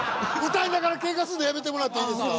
歌いながらけんかすんのやめてもらっていいですか？